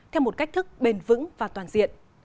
theo một cách thức bền vững và toàn diện